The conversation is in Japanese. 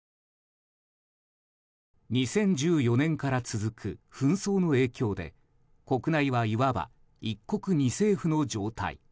２０１４年から続く紛争の影響で国内はいわば一国二政府の状態。